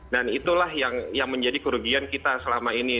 dan itulah yang menjadi kerugian kita selama ini